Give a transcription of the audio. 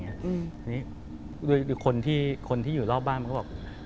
ทีนี้คนที่อยู่รอบบ้านมันก็บอก